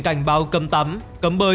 cảnh báo cấm tắm cấm bơi